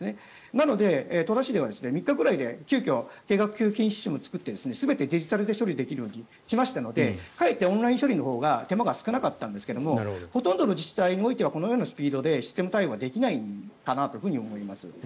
なので、戸田市では３日ぐらいで急きょ定額給付金のシステムを作って全てデジタルで処理できるようにしましたのでかえってオンライン処理のほうが手間が少なかったんですがほとんどの自治体においてはこのようなスピードでシステム対応ができないかなと思います。